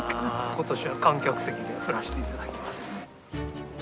今年は観客席で振らしていただきます。